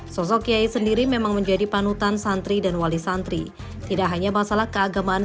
sosok kiai sendiri memang menjadi panutan santri dan wali santri tidak hanya masalah keagamaan